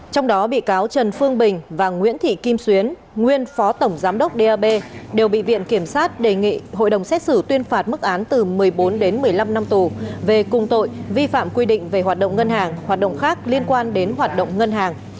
trong đó bị cáo trần phương bình và nguyễn thị kim xuyến nguyên phó tổng giám đốc dap đều bị viện kiểm sát đề nghị hội đồng xét xử tuyên phạt mức án từ một mươi bốn đến một mươi năm năm tù về cùng tội vi phạm quy định về hoạt động ngân hàng hoạt động khác liên quan đến hoạt động ngân hàng